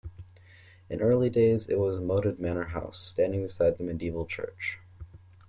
In early days, it was a moated manor house, standing beside the medieval church.